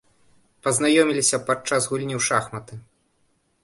Пазнаёміліся падчас гульні ў шахматы.